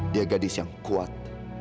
dia gadis yang kuat